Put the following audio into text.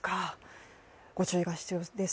ご注意が必要です。